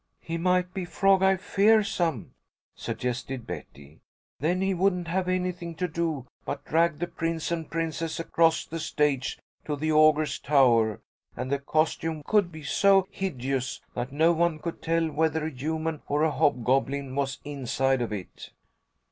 "He might be Frog eye Fearsome," suggested Betty. "Then he wouldn't have anything to do but drag the prince and princess across the stage to the ogre's tower, and the costume could be so hideous that no one could tell whether a human or a hobgoblin was inside of it."